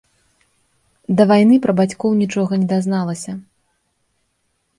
Да вайны пра бацькоў нічога не дазналася.